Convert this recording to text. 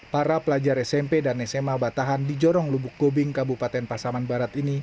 para pelajar smp dan sma batahan di jorong lubuk gobing kabupaten pasaman barat ini